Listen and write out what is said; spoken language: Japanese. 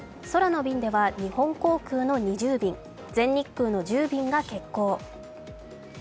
空の便では日本航空の２０便全日空の１０便が欠航。